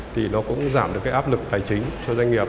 thì nó cũng giảm được cái áp lực tài chính cho doanh nghiệp